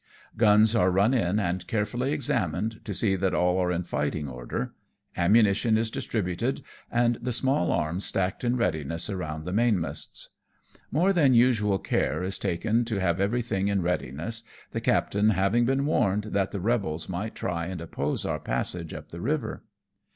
Guns are run in and carefully examined to see that all are in fighting order. Ammunition is distributed, and the small arms stacked in readiness around the mainmasts. More than usual care is taken to have everything in readiness, the captain having been warned that the 222 AMONG TYPHOONS AND PIRATE CRAFT. rebels might try and oppose our passage up the river.